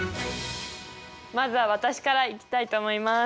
まずは私からいきたいと思います。